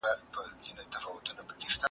د خپل ناموس له داستانونو سره لوبي کوي